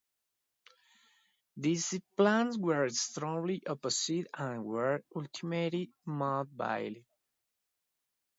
These plans were strongly opposed and were ultimately mothballed.